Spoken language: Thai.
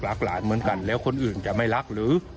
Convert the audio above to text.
หลานเหมือนกันแล้วคนอื่นจะไม่รักหรือ